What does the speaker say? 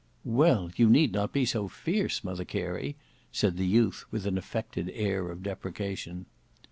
"Well, you need not be so fierce, Mother Carey," said the youth with an affected air of deprecation.